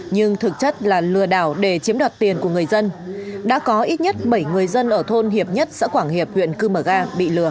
nhưng thực chất là lừa đảo để chiếm đoạt tiền của người dân đã có ít nhất bảy người dân ở thôn hiệp nhất xã quảng hiệp huyện cư mờ ga bị lừa